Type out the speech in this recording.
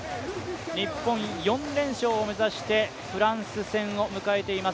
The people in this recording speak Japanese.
日本、４連勝を目指してフランス戦を迎えています。